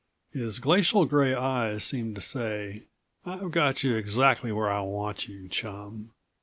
His glacial gray eyes seemed to say: "I've got you exactly where I want you, chum.